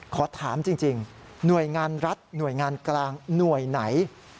ขอถามจริงหน่วยงานรัฐหน่วยงานกลางหน่วยไหน